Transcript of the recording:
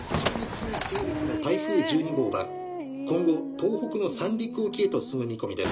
「台風１２号は今後東北の三陸沖へと進む見込みです」。